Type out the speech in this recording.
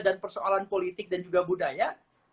dan persoalan politik dan juga budaya